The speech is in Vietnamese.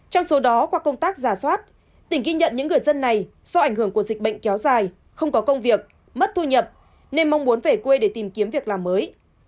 trong số đó qua công tác giả soát tỉnh ghi nhận những người dân này do ảnh hưởng của dịch bệnh kéo dài không có công việc mất thu nhập nên mong muốn về quê để tìm kiếm việc làm mới